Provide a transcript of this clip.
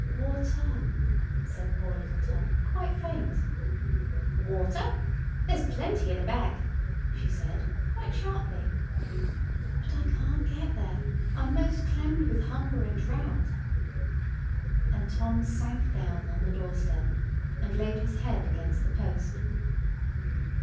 "Water," said poor little Tom, quite faint. "Water? There's plenty i' the beck," she said, quite sharply. "But I can't get there; I'm most clemmed with hunger and drought." And Tom sank down upon the door step, and laid his head against the post.